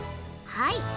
はい。